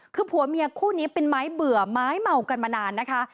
คือผัวเมียคู่นี้เป็นไม้เบื่อไม้เมากันมานานนะคะ